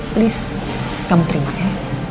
please kamu terima ya